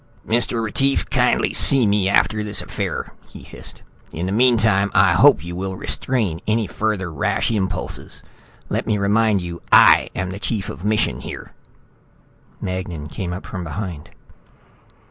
"Mr. Retief, kindly see me after this affair," he hissed. "In the meantime, I hope you will restrain any further rash impulses. Let me remind you I am chief of mission here." Magnan came up from behind.